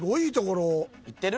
行ってる？